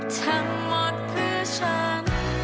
ทั้งหมดเพื่อฉัน